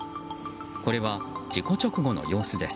これは事故直後の様子です。